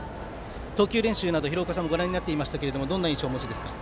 投球練習などを、廣岡さんご覧になっていましたがどんな印象をお持ちですか？